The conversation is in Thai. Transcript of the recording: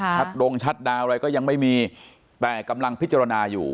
ดงชัดดาวนอะไรก็ยังไม่มีแต่กำลังพิจารณาอยู่